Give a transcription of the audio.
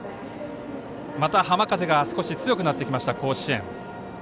また、浜風が少し強くなってきました甲子園。